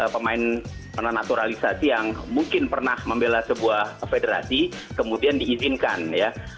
pemain naturalisasi yang mungkin pernah membela sebuah federasi kemudian diizinkan ya